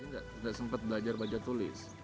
jadi ndak sempat belajar baca tulis